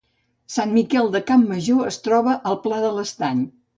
Sant Miquel de Campmajor es troba al Pla de l’Estany